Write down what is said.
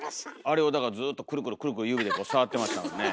あれをだからずっとクルクルクルクル指で触ってましたもんね。